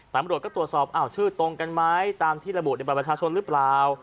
ตามโรคก็ตรวจสอบอ่าวชื่อตรงกันไหมตามที่ระบุในบรรยาชาชนิดหรือเปล่า